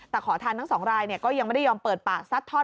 แต่ขอทานทั้งสองรายก็ยังไม่ได้ยอมเปิดปากซัดทอด